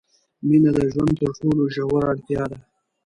مینه د ژوند تر ټولو ژوره اړتیا ده.